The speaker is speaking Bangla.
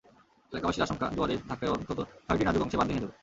এলাকাবাসীর আশঙ্কা, জোয়ারের ধাক্কায় অন্তত ছয়টি নাজুক অংশে বাঁধ ভেঙে যাবে।